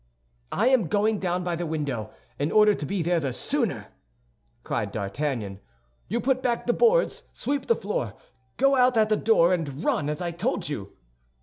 "I am going down by the window, in order to be there the sooner," cried D'Artagnan. "You put back the boards, sweep the floor, go out at the door, and run as I told you."